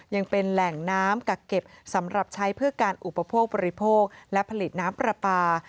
ยังเป็นแหล่งน้ำกักเก็บสำหรับใช้เพื่อการอุปโภคบริโภคและผลิตน้ำปลาปลา